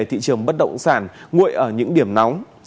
thị trường bất động sản nguội ở những điểm nóng